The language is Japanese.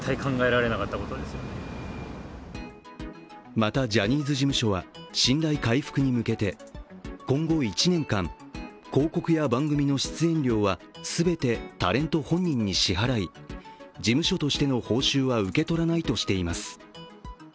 またジャニーズ事務所は信頼回復に向けて、今後１年間広告や番組の出演料は全てタレント本人に支払い事務所としての報酬は受け取らないとしています。